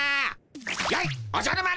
やいっおじゃる丸！